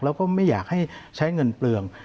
แล้วก็ไม่อยากให้ใช้เงินเปลือง